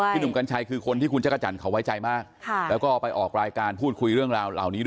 หนุ่มกัญชัยคือคนที่คุณจักรจันทร์เขาไว้ใจมากแล้วก็ไปออกรายการพูดคุยเรื่องราวเหล่านี้ด้วย